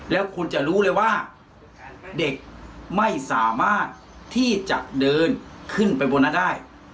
แล้วคุณจะรู้เลยว่าเด็กไม่สามารถที่จะเดินขึ้นไปบนนั้นได้